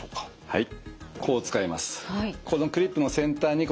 はい。